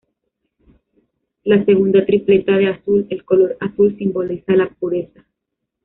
La segunda tripleta de azul el color azul simboliza la pureza.